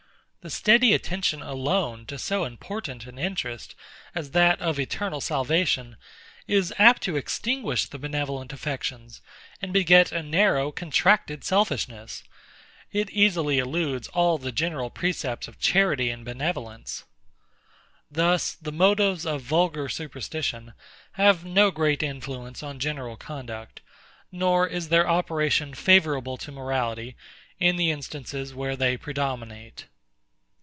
The steady attention alone to so important an interest as that of eternal salvation, is apt to extinguish the benevolent affections, and beget a narrow, contracted selfishness. And when such a temper is encouraged, it easily eludes all the general precepts of charity and benevolence. Thus, the motives of vulgar superstition have no great influence on general conduct; nor is their operation favourable to morality, in the instances where they predominate.